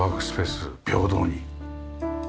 平等に。